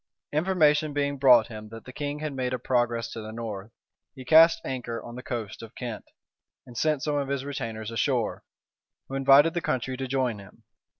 Information being brought him that the king had made a progress to the north, he cast anchor on the coast of Kent, and sent some of his retainers ashore, who invited the country to join him.